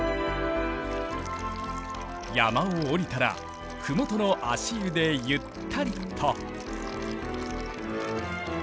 山を下りたら麓の足湯でゆったりと。